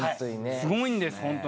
すごいんですホントに。